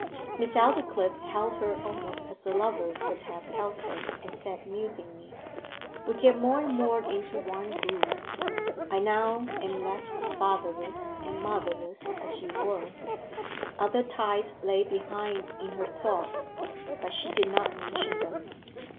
Miss Aldclyffe held her almost as a lover would have held her, and said musingly 'We get more and more into one groove. I now am left fatherless and motherless as you were.' Other ties lay behind in her thoughts, but she did not mention them.